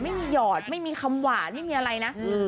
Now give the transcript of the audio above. หยอดไม่มีคำหวานไม่มีอะไรนะ